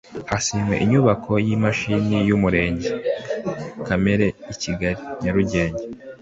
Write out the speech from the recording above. hasanwe inyubako y'ishami ry'umurage kamere i kigali (nyarugenge